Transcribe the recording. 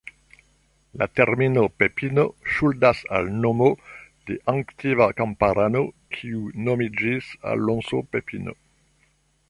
La termino "Pepino" ŝuldas al nomo de antikva kamparano kiu nomiĝis Alonso Pepino.